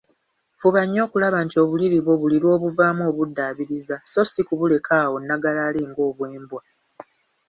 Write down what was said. Fuba nnyo okulaba nti obuliri bwo buli lw‘obuvaamu obuddaabiriza, so si kubuleka awo nnagalaale ng‘obwembwa.